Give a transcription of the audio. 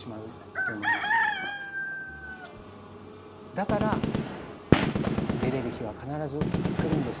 だから「出れる日は必ず来るんです」と。